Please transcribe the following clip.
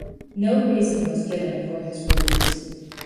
No reason was given for his release.